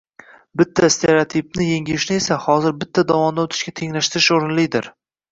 Bitta stereotipni yengishni esa hozir bitta dovondan o‘tishga tenglashtirish o‘rinlidir